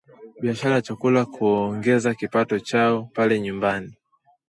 biashara ya chakula kuweza kuongeza kipato chao pale nyumbani